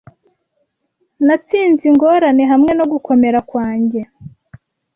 Natsinze ingorane hamwe no gukomera kwanjye.